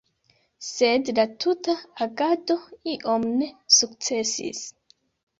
Sed la tuta agado iom ne sukcesis.